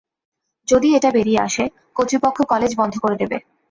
যদি এটা বেরিয়ে আসে, কর্তৃপক্ষ কলেজ বন্ধ করে দেবে।